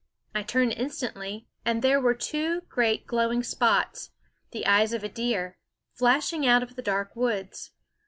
I turned instantly, and there were two great glowing spots, the eyes of a deer, flashing out of the dark woods.